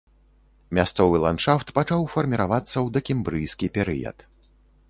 Мясцовы ландшафт пачаў фарміравацца ў дакембрыйскі перыяд.